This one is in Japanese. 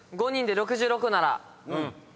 ５人で６６なら。